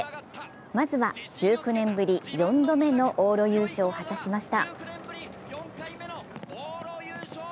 まずは１９年ぶり４度目の往路優勝を果たしました。